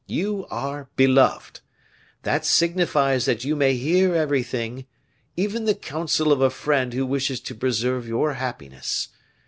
You are beloved; that signifies that you may hear everything, even the counsel of a friend who wishes to preserve your happiness.